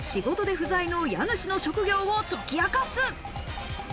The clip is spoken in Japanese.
仕事で不在の家主の職業を解き明かす。